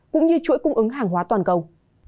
cũng như chuỗi cung ứng hàng hóa toàn cầu